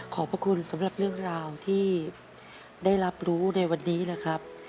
ขอบพระคุณสำหรับเรื่องราวที่ได้รับรู้ในวันนี้นะครับ